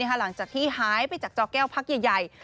หลังจากที่หายไปจากจอแก้วพักใหญ่